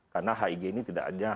karena hig ini tidak hanya